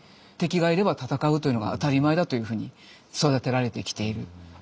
敵がいれば戦うというのが当たり前だというふうに育てられてきている。